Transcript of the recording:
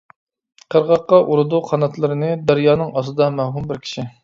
قىرغاققا ئۇرىدۇ قاناتلىرىنى، دەريانىڭ ئاستىدا مەۋھۇم بىر كىشى.